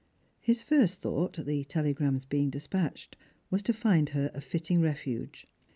His first thought, the telegrams being despatched, was to find her a fitting refuge.